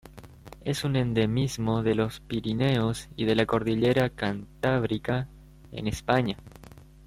Es un endemismo de los Pirineos y de la Cordillera Cantábrica en España.